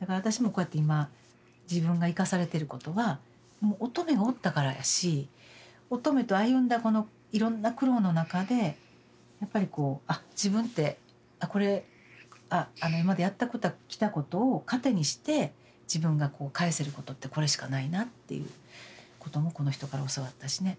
だから私もこうやって今自分が生かされてることはもう音十愛がおったからやし音十愛と歩んだこのいろんな苦労の中でやっぱりこうあっ自分ってこれ今までやってきたことを糧にして自分が返せることってこれしかないなっていうこともこの人から教わったしね。